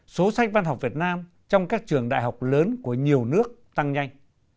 số sách văn học việt nam trong các trường đại học lớn của nhiều nước tăng nhanh